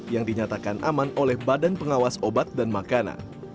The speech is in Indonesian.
yang dinyatakan aman oleh badan pengawas obat dan makanan